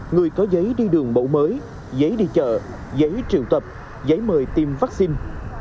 người có giấy đi đường bộ mới giấy đi chợ giấy triệu tập giấy mời tiêm vaccine